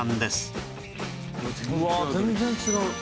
うわ全然違う。